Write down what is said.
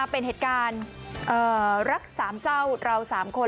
เป็นเหตุการณ์รักสามเจ้าเรา๓คน